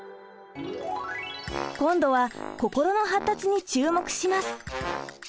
今度は心の発達に注目します！